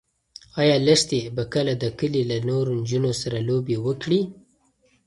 ایا لښتې به کله د کلي له نورو نجونو سره لوبې وکړي؟